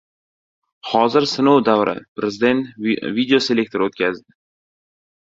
«Hozir sinov davri» – Prezident videoselektor o‘tkazdi